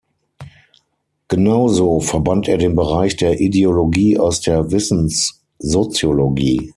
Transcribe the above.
Genauso verbannt er den Bereich der Ideologie aus der Wissenssoziologie.